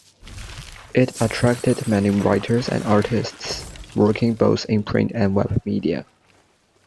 It attracted many writers and artists, working both in print and web media.